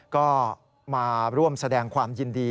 ก็มาร่วมแสดงความยินดี